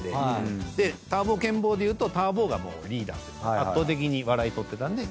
ター坊ケン坊でいうとター坊がリーダーというか圧倒的に笑い取ってたんで。